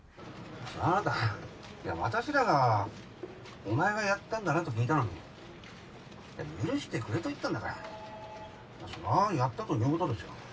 そらあなたいや私らがお前がやったんだなと聞いたのにいや許してくれと言ったんだからまあそりゃあやったということですよ。